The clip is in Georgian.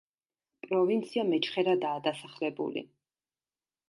პროვინცია მეჩხერადაა დასახლებული.